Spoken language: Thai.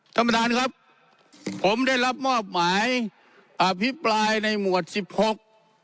ท่านประธานครับผมได้รับมอบหมายอภิปรายในหมวดสิบหก